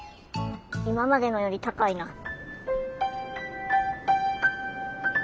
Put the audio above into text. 今までのより高いな。